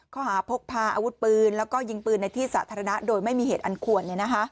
ข้อหาพกพาอาวุธปืนแล้วก็ยิงปืนในที่สาธารณะโดยไม่มีเหตุอันควร